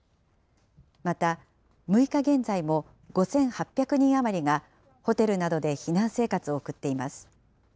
また、６日現在も５８００人余りがホテルなどで避難生活を送っています。